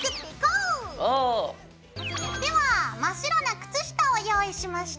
では真っ白な靴下を用意しました。